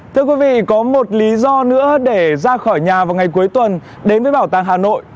thưa quý vị có một lý do nữa để ra khỏi nhà vào ngày cuối tuần đến với bảo tàng hà nội